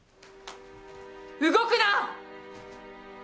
動くな！